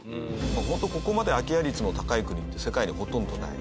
本当ここまで空き家率の高い国って世界にほとんどない。